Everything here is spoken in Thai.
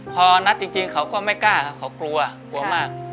พอนัดจริงเขาก็ไม่กล้าครับเขากลัวกลัวมาก